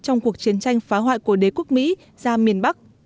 trong cuộc chiến tranh phá hoại của đế quốc mỹ ra miền bắc